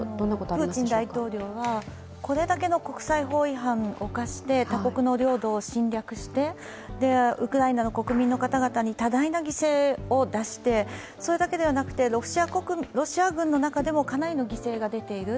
プーチン大統領は、これだけの国際法違反を犯して、他国の領土を侵略してウクライナの国民の方々に多大な犠牲を出してそれだけではなくて、ロシア軍の中でもかなりの犠牲が出ている